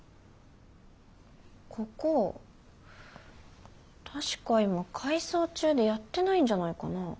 ここ確か今改装中でやってないんじゃないかなあ。